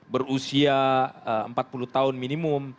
berusia empat puluh tahun minimum